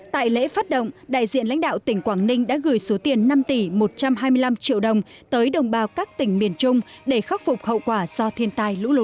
tại lễ phát động đại diện lãnh đạo tỉnh quảng ninh đã gửi số tiền năm tỷ một trăm hai mươi năm triệu đồng tới đồng bào các tỉnh miền trung để khắc phục hậu quả do thiên tai lũ lụt